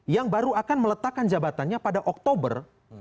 yang baru akan meletakkan jabatannya pada oktober dua ribu tujuh belas